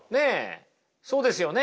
そうですよね？